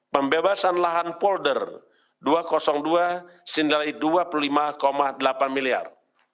pembebasan lahan polder rp dua ratus dua dua puluh lima delapan miliar